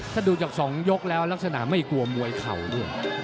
ถ้าดูจาก๒ยกแล้วลักษณะไม่กลัวมวยเข่าด้วย